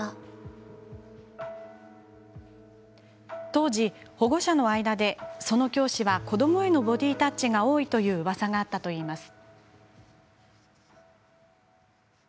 当時、保護者の間でその教師は子どもへのボディータッチが多いといううわさがあったといいます。